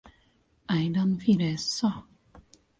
Aidan vieressä.